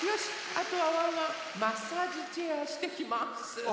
あとはワンワンマッサージチェアしてきます。